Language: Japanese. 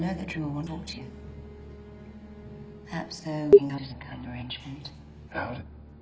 あっ！